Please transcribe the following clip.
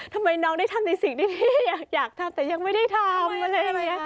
ทำไมน้องได้ทำในสิ่งที่พี่อยากทำแต่ยังไม่ได้ทำอะไรอะไรอย่างนี้